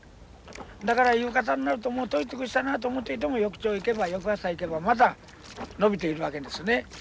だから夕方になるともう取り尽くしたなと思っていても翌朝行けば翌朝行けばまた伸びているわけですね。